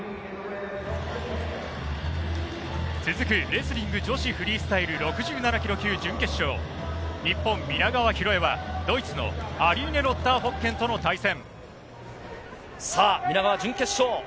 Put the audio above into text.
続くレスリング女子フリースタイル６７キロ級準決勝、日本・皆川博恵はドイツのアリーネ・ロッターフォッケンとの対戦。